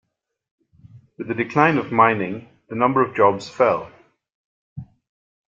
With the decline of mining, the number of jobs fell.